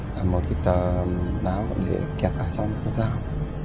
là một cái tờ báo để kẹp ở trong con dao